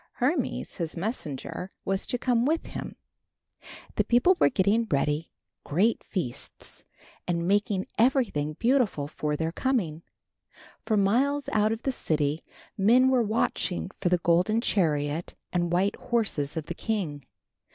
Hermes, his messenger, was to come with him. The people were getting ready great feasts, and making everything beautiful for their coming. For miles out of the city, men were watching for the golden chariot and white horses of the king.